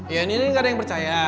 iya ini gak ada yang percaya